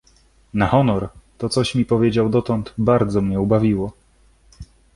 "Na honor, to coś mi powiedział dotąd, bardzo mnie ubawiło."